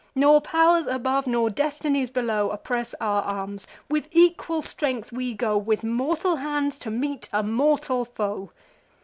Nor pow'rs above, nor destinies below Oppress our arms: with equal strength we go, With mortal hands to meet a mortal foe.